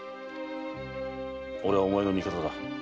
俺はお前の味方だ。